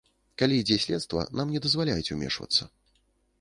Калі ідзе следства, нам не дазваляюць умешвацца.